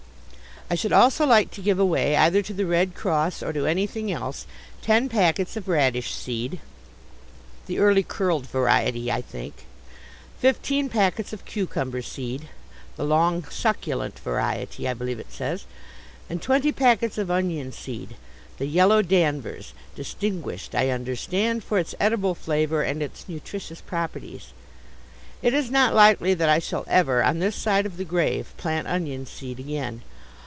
I should like also to give away, either to the Red Cross or to anything else, ten packets of radish seed (the early curled variety, I think), fifteen packets of cucumber seed (the long succulent variety, I believe it says), and twenty packets of onion seed (the Yellow Danvers, distinguished, I understand, for its edible flavour and its nutritious properties). It is not likely that I shall ever, on this side of the grave, plant onion seed again.